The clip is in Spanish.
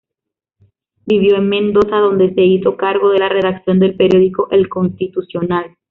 Vivió en Mendoza, donde se hizo cargo de la redacción del periódico "El Constitucional".